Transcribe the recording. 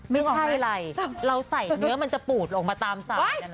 ไม่ใช่อะไรเราใส่เนื้อมันจะปูดออกมาตามสายนะนะ